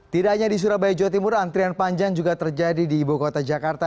tidak hanya di surabaya jawa timur antrian panjang juga terjadi di ibu kota jakarta